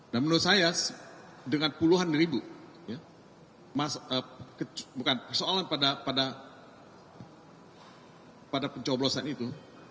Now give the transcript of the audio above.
dan menurut saya dengan puluhan ribu bukan persoalan pada pencoblosan itu